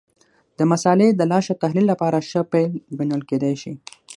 د مسألې د لا ښه تحلیل لپاره ښه پیل ګڼل کېدای شي.